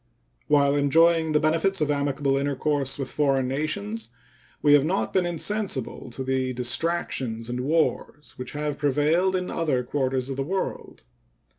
While enjoying the benefits of amicable intercourse with foreign nations, we have not been insensible to the distractions and wars which have prevailed in other quarters of the world.